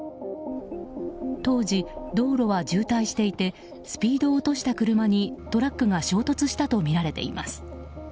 当時、道路は渋滞していてスピードを落とした車にトラックが衝突したとみられています。